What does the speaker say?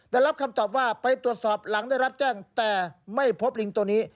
ได้รับคำตอบว่าไปตรวจสอบหลังได้รับแจ้งแต่ไม่พบลิงตัวนี้